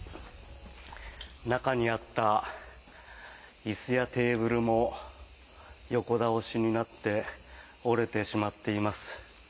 中にあった椅子やテーブルも横倒しになって折れてしまっています。